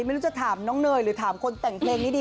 ไม่รู้จะถามน้องเนยหรือถามคนแต่งเพลงนี้ดี